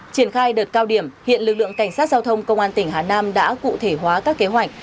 triển khai đợt cao điểm hiện lực lượng cảnh sát giao thông công an tỉnh hà nam đã cụ thể hóa các kế hoạch